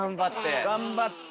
頑張って。